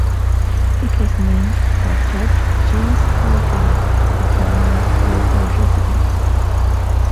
It was named for Judge James Cowgill, a prominent local resident.